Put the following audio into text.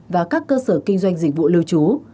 và các cơ sở kinh doanh dịch vụ lưu trú